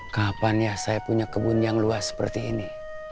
kapan ya saya punya kebun yang luas seperti ini